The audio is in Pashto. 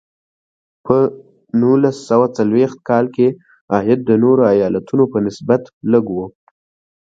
په نولس سوه څلویښت کال کې عاید د نورو ایالتونو په نسبت لږ و.